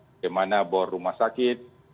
bagaimana bawah rumah sakit